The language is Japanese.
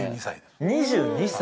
２２歳？